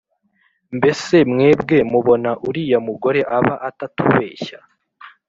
mbese mwebwe mubona uriya mugore aba atatubeshya